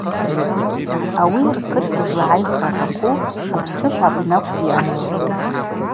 Ауи ркыт дызлагӏайхра атахъу апсыхӏва апны акӏвпӏ йъану.